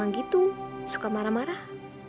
orang gitu suka marah marah